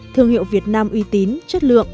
thương hiệu việt nam uy tín chất lượng